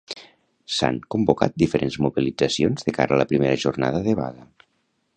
S'han convocat diferents mobilitzacions de cara a la primera jornada de vaga.